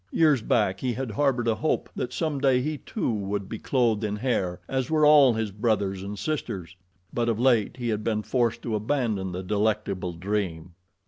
Years back he had harbored a hope that some day he, too, would be clothed in hair as were all his brothers and sisters; but of late he had been forced to abandon the delectable dream.